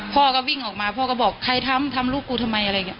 พ่อก็วิ่งออกมาพ่อก็บอกใครทำทำลูกกูทำไมอะไรอย่างนี้